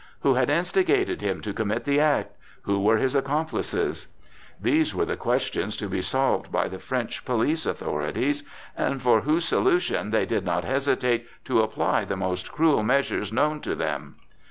Who had instigated him to commit the act? Who were his accomplices? These were the questions to be solved by the French police authorities, and for whose solution they did not hesitate to apply the most cruel measures known to them.